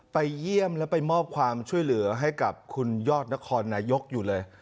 ไปเยี่ยมแล้วไปมอบความช่วยเหลือให้กับคุณยอดนครนายกอยู่เลย